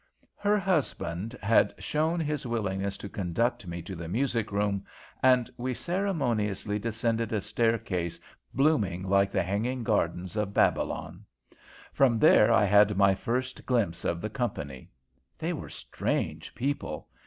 Her husband made known his willingness to conduct me to the music room, and we ceremoniously descended a staircase blooming like the hanging gardens of Babylon. From there I had my first glimpse of the company. They were strange people.